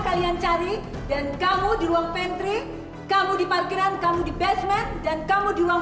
kalian cari dan kamu di ruang patrick kamu di parkiran kamu di basement dan kamu di ruang